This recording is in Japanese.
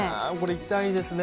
痛いですね。